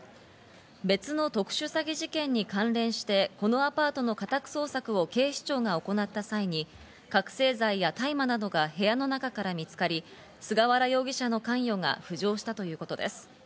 別の特殊詐欺事件に関連して、このアパートの家宅捜索を警視庁が行った際に、覚醒剤や大麻などが部屋の中から見つかり、菅原容疑者の関与が浮上したということです。